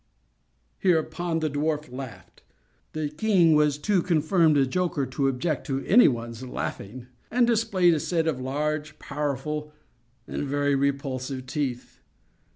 Hereupon the dwarf laughed (the king was too confirmed a joker to object to any one's laughing), and displayed a set of large, powerful, and very repulsive teeth.